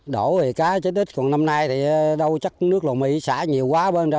đổ thì cá chết ít còn năm nay thì đâu chắc nước lộ mỹ xả nhiều quá